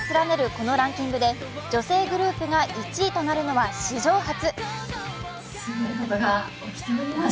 このランキングで女性グループが１位となるのは史上初。